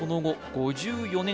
５４年